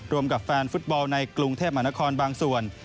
กับแฟนฟุตบอลในกรุงเทพมหานครบางส่วน